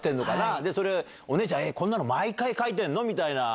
で、それ、お姉ちゃん、こんなの毎回書いてんの？みたいな。